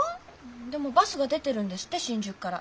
でもバスが出てるんですって新宿から。